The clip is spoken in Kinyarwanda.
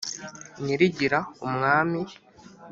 nyirigira: umwami